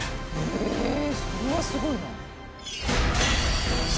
それはすごいな。